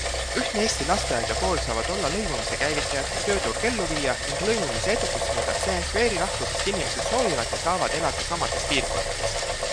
Ühtne eesti lasteaed ja kool saavad olla lõimumise käivitajad, tööturg elluviija ning lõimumise edukust mõõdab see, kui eri rahvusest inimesed soovivad ja saavad elada samades piirkondades.